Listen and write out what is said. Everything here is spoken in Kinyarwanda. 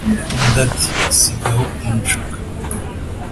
undi ati sigaho kunshuka